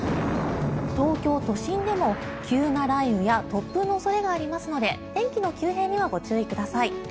東京都心でも急な雷雨や突風の恐れがありますので天気の急変にはご注意ください。